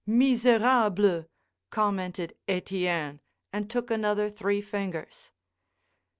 "Mee ser rhable!" commented Etienne, and took another three fingers.